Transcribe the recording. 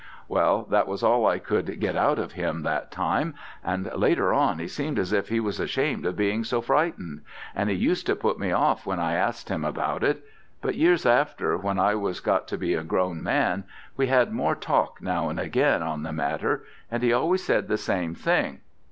"Well, that was all I could get out of him that time, and later on he seemed as if he was ashamed of being so frightened, and he used to put me off when I asked him about it. But years after, when I was got to be a grown man, we had more talk now and again on the matter, and he always said the same thing.